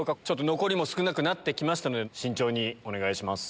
残りも少なくなって来ましたので慎重にお願いします。